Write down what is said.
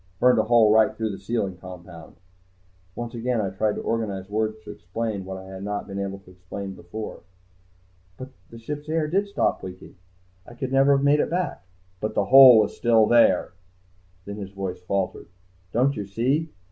Burned a hole right through the sealing compound " Once again I tried to organize words to explain what I had not been able to explain before. "But the ship's air did stop leaking. I could never have made it back...." "But the hole was still there!" Then his voice faltered. "Don't you see?